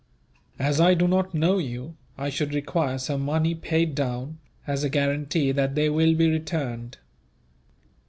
"As I do not know you, I should require some money paid down, as a guarantee that they will be returned."